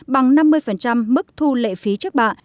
bằng năm mươi mức thu lệ phí trước bạ